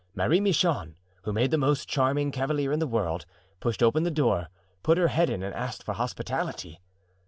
Marie Michon, who made the most charming cavalier in the world, pushed open the door, put her head in and asked for hospitality.